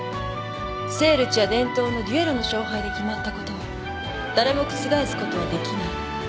聖ルチア伝統の決闘の勝敗で決まったことは誰も覆すことはできない。